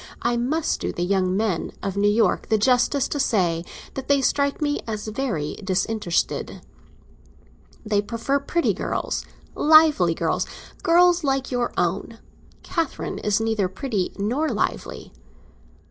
I must do the young men of New York the justice to say that they strike me as very disinterested. They prefer pretty girls—lively girls—girls like your own. Catherine is neither pretty nor lively."